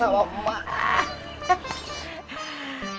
ranget sama emak